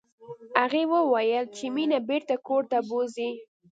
هغې وویل چې مينه بېرته کور ته بوزئ